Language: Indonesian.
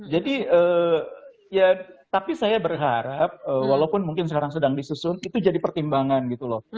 jadi ya tapi saya berharap walaupun mungkin sekarang sedang disusun itu jadi pertimbangan gitu loh